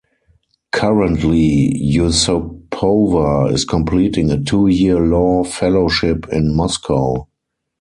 Currently, Yusupova is completing a two-year law fellowship in Moscow.